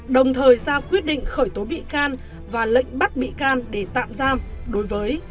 đồng thời ra quyết định khởi tố bị can và lệnh bắt bị can để tạm giam đối với